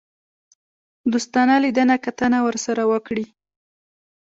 دوستانه لیدنه کتنه ورسره وکړي.